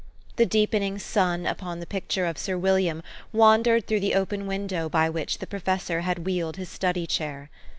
The deepening sun upon the picture of Sir William wandered through the open window by which the professor had wheeled his study chair.